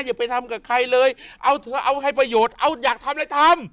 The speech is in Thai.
อย่าไปทำกับใครเลยเอาเถอะเอาให้ประโยชน์เอาอยากทำอะไรทำ